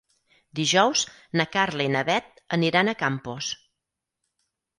Dijous na Carla i na Bet aniran a Campos.